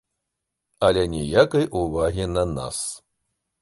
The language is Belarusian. Але ніякай увагі на нас.